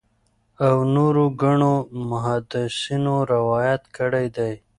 او نورو ګڼو محدِّثينو روايت کړی دی